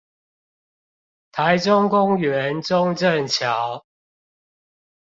臺中公園中正橋